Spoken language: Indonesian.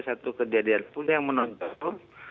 satu kejadian pun yang menonton